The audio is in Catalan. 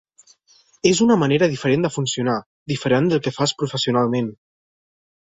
És una manera diferent de funcionar, diferent del que fas professionalment.